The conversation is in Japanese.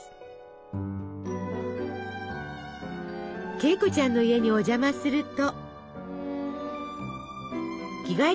Ｋ子ちゃんの家にお邪魔すると。